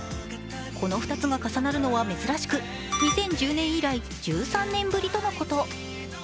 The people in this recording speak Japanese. この２つが重なるのは珍しく、２０１０年以来１３年ぶりとのこと。